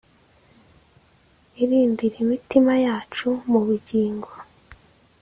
irindira imitima yacu mu bugingo